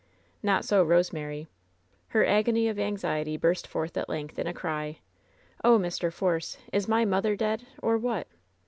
Not so Rosemary. Her agony of anxiety burst forth at length in a cry: "Oh, Mr. Force! is my mother dead, or what?"